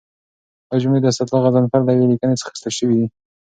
دا جملې د اسدالله غضنفر له یوې لیکنې څخه اخیستل شوي دي.